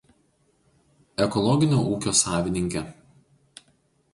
Ekologinio ūkio savininkė.